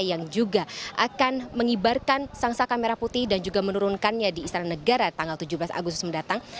yang juga akan mengibarkan sang saka merah putih dan juga menurunkannya di istana negara tanggal tujuh belas agustus mendatang